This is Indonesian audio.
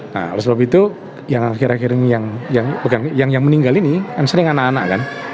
nah oleh sebab itu yang akhir akhir ini yang meninggal ini kan sering anak anak kan